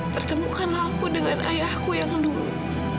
pertemukanlah aku dengan ayah aku yang dulu